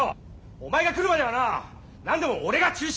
・お前が来るまではな何でも俺が中心だったんだよ！